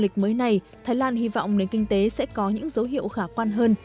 đại dịch mới này thái lan hy vọng nền kinh tế sẽ có những dấu hiệu khả quan hơn